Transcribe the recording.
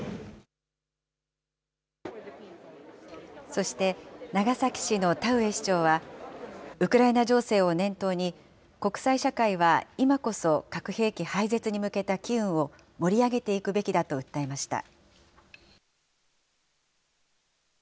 そして、長崎市の田上市長は、ウクライナ情勢を念頭に、国際社会は今こそ核兵器廃絶に向けた機運を盛り上げていくべきだと訴えました。